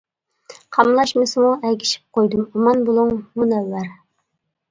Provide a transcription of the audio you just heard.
قاملاشمىسىمۇ ئەگىشىپ قويدۇم، ئامان بولۇڭ مۇنەۋۋەر!